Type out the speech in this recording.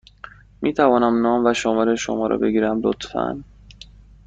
می توانم نام و شماره شما را بگیرم، لطفا؟